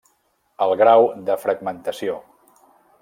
El grau de fragmentació.